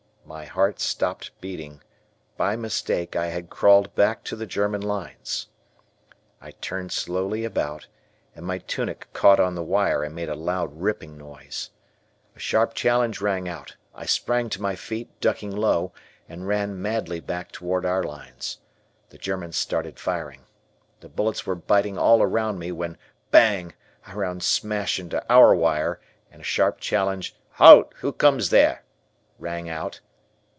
My heart stopped beating; by mistake I had crawled back to the German lines. I turned slowly about and my tunic caught on the wire and made a loud ripping noise. A sharp challenge rang out. I sprang to my feet, ducking low, and ran madly back toward our lines. The Germans started firing. The bullets were biting all around me, when bang! I ran smash into our wire, and a sharp challenge "'Alt, who comes there?" rang out.